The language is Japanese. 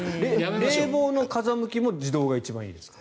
冷房の風向きも自動が一番いいですか？